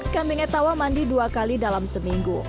kambing etawa mandi dua kali dalam seminggu